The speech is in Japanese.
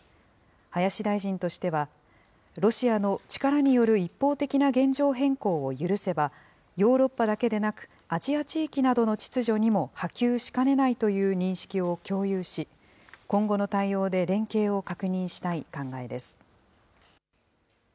林大臣としては、ロシアの力による一方的な現状変更を許せば、ヨーロッパだけでなく、アジア地域などの秩序にも波及しかねないという認識を共有し、今後の対応で連携を確認したい考えです。